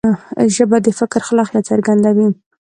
ژبه د فکر خلاقیت څرګندوي.